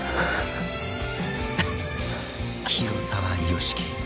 広沢由樹